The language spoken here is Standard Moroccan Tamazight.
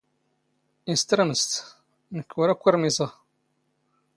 "ⵉⵙ ⵜⵔⵎⵙⴷ?" " ⵏⴽⴽ ⵓⵔ ⴰⴽⴽⵯ ⵔⵎⵉⵙⵖ."